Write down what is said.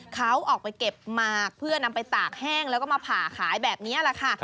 เขาออกไปเก็บหมากเพื่อนำไปตากแห้งแล้วก็มาผ่าขายแบบนี้แหละค่ะ